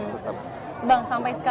bang sampai sekarang